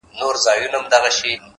• بیا د صمد خان او پاچاخان حماسه ولیکه,